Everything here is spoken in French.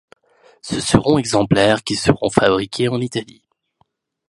Ce seront exemplaires qui seront fabriqués en Italie.